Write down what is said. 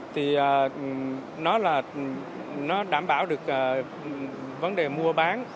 thì nó là nó đảm bảo được vấn đề mua bán